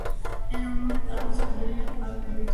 ეროვნული პარკი ცნობილია პალმების ტყით.